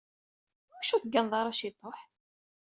Iwacu ur tegganeḍ ara ciṭuḥ?